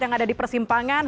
yang ada di persimpangan